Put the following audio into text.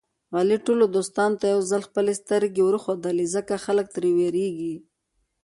علي ټولو دوستانو ته یوځل خپلې سترګې ورښودلې دي. ځکه خلک تر وېرېږي.